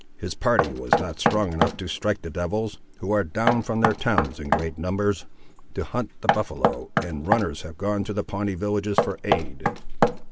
His party was not strong enough to strike the devils, who are down from their towns in great numbers to hunt the buffaloe, and runners have gone to the Pawnee villages for aid.